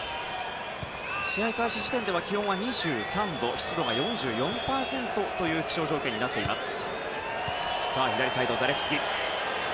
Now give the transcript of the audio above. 試合開始時点では気温は２３度湿度が４４％という気象条件になっています。